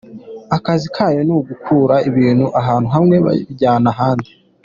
Akazi kayo ni ugukura ibintu ahantu hamwe babijyana ahandi.